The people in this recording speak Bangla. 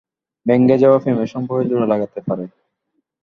ভেঙে যাওয়া প্রেমের সম্পর্ক জোড়া লাগাতে পারে।